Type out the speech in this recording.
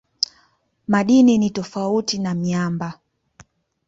Madini ni tofauti na miamba.